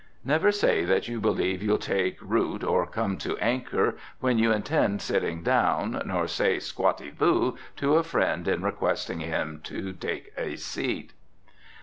Never say that you believe you'll take root or come to anchor, when you intend sitting down, nor say "squatty vous" to a friend in requesting him to take a seat.